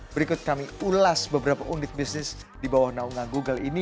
berikut kami ulas beberapa unit bisnis di bawah naungan google ini